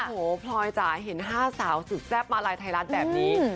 โอ้โหพลอยจ๋าเห็น๕สาวสุดแซ่บมาลัยไทยรัฐแบบนี้